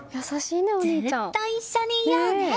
ずっと一緒にいようね。